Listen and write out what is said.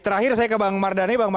terakhir saya ke bang mardhani